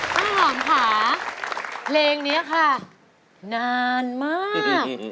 หอมค่ะเพลงนี้ค่ะนานมาก